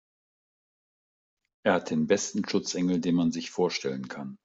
Er hat den besten Schutzengel, den man sich vorstellen kann.